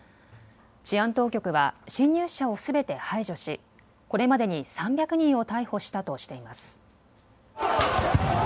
治安当局は侵入者をすべて排除しこれまでに３００人を逮捕したとしています。